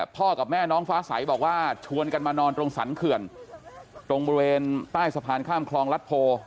กับแม่น้องฟ้าใสบอกว่าชวนกันมานอนตรงสรรเขื่อนตรงบริเวณใต้สะพานข้ามคลองรัฐโพ